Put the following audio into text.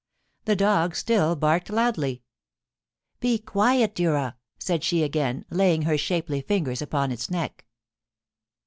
The dog still barked loudly. * Be quiet, Durra !' said she again, laying her shapely fingers upon its neck.